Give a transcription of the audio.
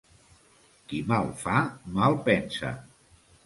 Qui mal fa mal pensa.